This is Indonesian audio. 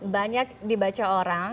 banyak dibaca orang